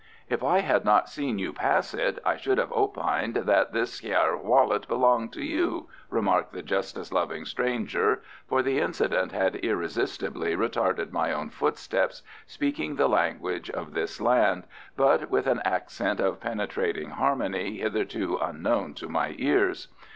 "If I had not seen you pass it, I should have opined that this hyer wallet belonged to you," remarked the justice loving stranger (for the incident had irresistibly retarded my own footsteps), speaking the language of this land, but with an accent of penetrating harmony hitherto unknown to my ears.